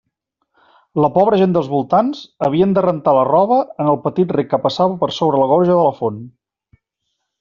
La pobra gent dels voltants havien de rentar la roba en el petit rec que passava per sobre la gorga de la font.